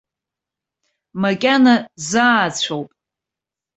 Макьана заацәоуп.